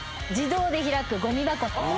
自動で開くごみ箱。